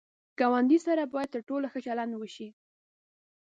ګاونډي سره باید تر ټولو ښه چلند وشي